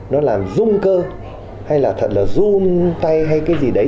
nó làm rung cơ hay là thật là rung tay hay cái gì đấy